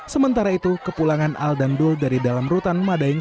sementara itu kepulangan al dandul dari dalam rutan madaing